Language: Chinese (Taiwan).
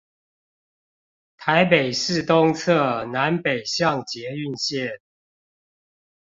台北市東側南北向捷運線